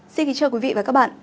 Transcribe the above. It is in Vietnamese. xin kính chào quý vị và các bạn